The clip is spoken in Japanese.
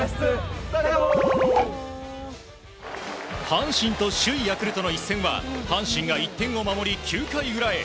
阪神と首位ヤクルトの一戦は阪神が１点を守り９回裏へ。